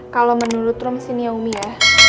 kalau menurut rum sini ya umi ya